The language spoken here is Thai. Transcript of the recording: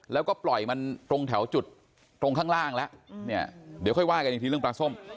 แล้วก็ปล่อยมันตรงแถวจุดตรงข้างล่างแล้วเนี่ยเดี๋ยวค่อยว่ากันอีกทีเรื่องปลาส้ม